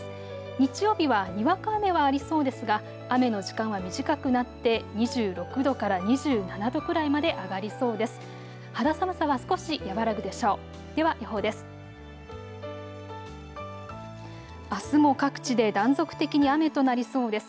日曜日はにわか雨はありそうですが雨の時間は短くなって２６度から２７度くらいまで上がりそうです。